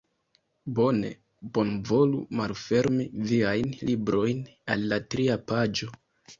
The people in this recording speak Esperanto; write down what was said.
Bone. Bonvolu malfermi viajn librojn al la tria paĝo.